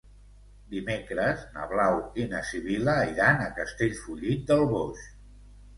Dimecres na Blau i na Sibil·la iran a Castellfollit del Boix.